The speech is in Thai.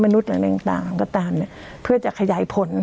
มนุษย์อะไรต่างต่างก็ตามเนี้ยเพื่อจะขยายผล